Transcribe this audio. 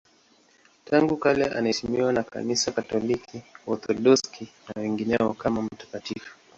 Tangu kale anaheshimiwa na Kanisa Katoliki, Waorthodoksi na wengineo kama mtakatifu.